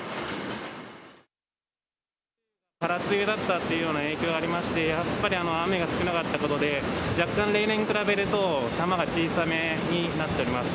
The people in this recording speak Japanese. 空梅雨だったという影響がありましてやっぱり雨が少なかったことで若干、例年と比べると玉が小さめになっております。